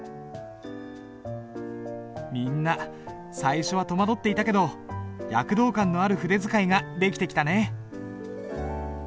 みんな最初は戸惑っていたけど躍動感のある筆使いができてきたね。